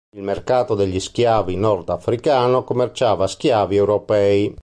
Il mercato degli schiavi nordafricano commerciava schiavi europei.